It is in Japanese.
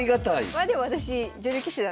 まあでも私女流棋士なんで。